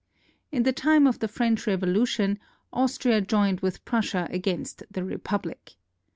In the time of the French Revolution, Austria joined with Prussia against the Republic.